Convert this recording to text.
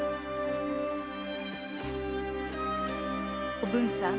おぶんさん。